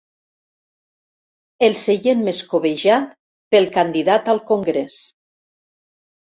El seient més cobejat pel candidat al Congrés.